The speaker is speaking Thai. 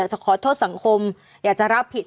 จะขอโทษสังคมอยากจะรับผิด